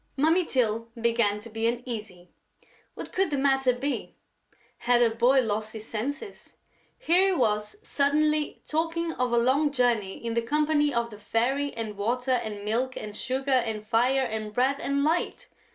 Mummy Tyl began to be uneasy. What could the matter be? Had her boy lost his senses? Here he was suddenly talking of a long journey in the company of the Fairy and Water and Milk and Sugar and Fire and Bread and Light!